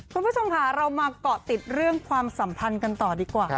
คุณผู้ชมค่ะเรามาเกาะติดเรื่องความสัมพันธ์กันต่อดีกว่า